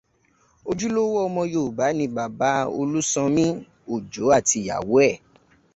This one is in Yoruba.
Ojúlówó ọmọ Yorùbá ni Bàbá Olúsanmí Òjó àti ìyàwó ẹ̀